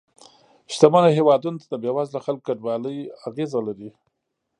شتمنو هېوادونو ته د بې وزله خلکو کډوالۍ اغیزه لري